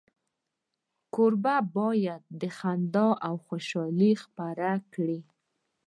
کوربه باید خندا او خوشالي خپره کړي.